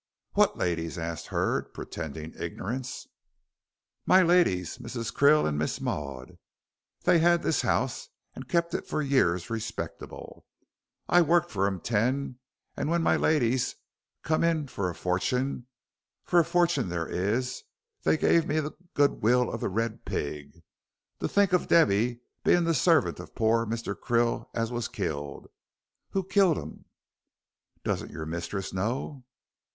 "What ladies?" asked Hurd, pretending ignorance. "My ladies, Mrs. Krill and Miss Maud. They had this 'ouse, and kep' it for years respectable. I worked for 'em ten, and when my ladies comes in for a forting, for a forting there is, they gave me the goodwill of 'The Red Pig.' To think of Debby being the servant of poor Mr. Krill as was killed. Who killed 'im?" "Doesn't your mistress know?"